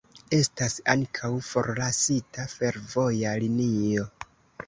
Estas ankaŭ forlasita fervoja linio.